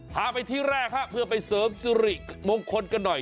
พาไปที่แรกฮะเพื่อไปเสริมสุริมงคลกันหน่อย